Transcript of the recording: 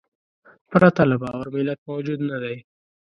پرته له باور ملت موجود نهدی.